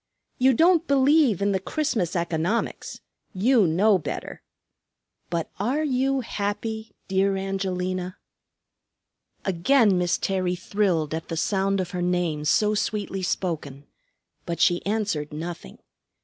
You don't believe in the Christmas economics, you know better. But are you happy, dear Angelina?" Again Miss Terry thrilled at the sound of her name so sweetly spoken; but she answered nothing.